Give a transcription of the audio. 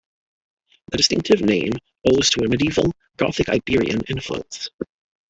The distinctive name owes to a medieval Gothic-Iberian influence.